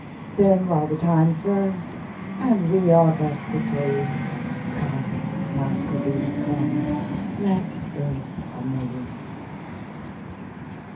Then, while time serves, and we are but decaying, Come, my Corinna, come, let 's go a Maying.